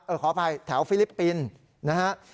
เออขออภัยแถวฟิลิปปินนะฮะ